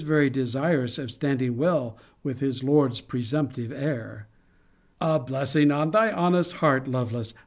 's chaplain, who is very desirous of standing well with his lord's presumptive heir. A blessing on thy honest heart, Lovelace!